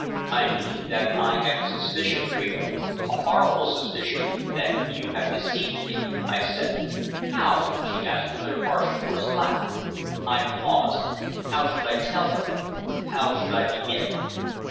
"I mean that I have a suspicion, Phrida a horrible suspicion that you have deceived me," I said. "How?" she asked, with her harsh, forced laugh. I paused. How should I tell her? How should I begin?